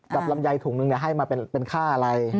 กับร่ำไยถุงหนึ่งให้มาเป็นค่าอะไร